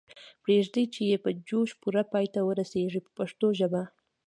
پریږدئ چې یې په جوش پوره پای ته ورسیږي په پښتو ژبه.